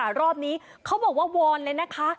สิทธิ์วันฐานที่มากรอบนี้เขาบอกว่าวองเลยนะคะ